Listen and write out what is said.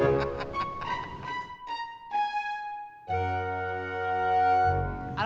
makasih ya bang